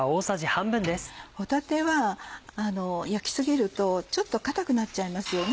帆立は焼き過ぎるとちょっと硬くなっちゃいますよね。